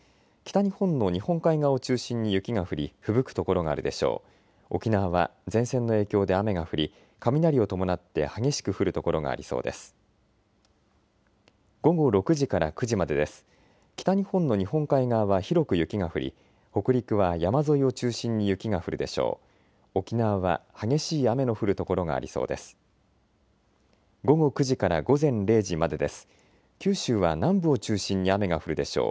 北日本の日本海側は広く雪が降り北陸は山沿いを中心に雪が降るでしょう。